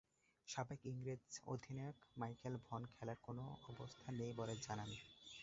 সাবেক ইংরেজ অধিনায়ক মাইকেল ভন খেলার কোন অবস্থা নেই বলে জানান।